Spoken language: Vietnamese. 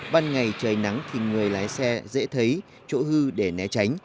ban ngày trời nắng thì người lái xe dễ thấy chỗ hư để né tránh